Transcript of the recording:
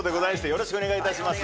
よろしくお願いします。